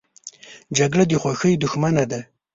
جګړه د خوښۍ دښمنه ده